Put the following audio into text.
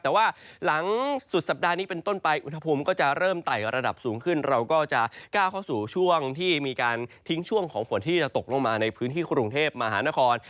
แต่ว่าหลังสุดสัปดาห์นี้เป็นต้นไปอุณหภูมิก็จะเริ่มไต่ระดับสูงขึ้นเราก็จะก้าวเข้าสู่ช่วงที่มีการทิ้งช่วงของฝนที่จะตกลงมาในพื้นที่กรุงเทพมหานคร